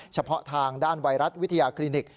เฉพาะทางด้านไวรัสวิทยาคลินิก